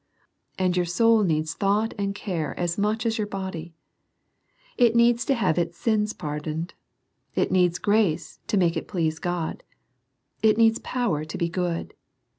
And your soul needs thought and care as much as your body. It needs to have its sins pardoned. It needs grace to make it please God. It needs power to be good.